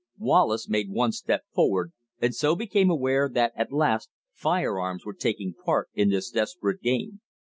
Wallace made one step forward and so became aware that at last firearms were taking a part in this desperate game.